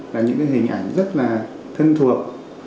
là những cái hình ảnh rất là thân thuộc